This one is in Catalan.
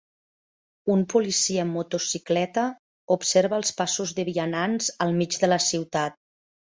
Un policia en motocicleta observa els pasos de vianants al mig de la ciutat.